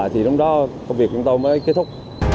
thì lúc đó công việc của chúng tôi mới kết thúc